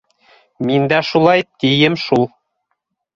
—Мин дә шулай тием шул.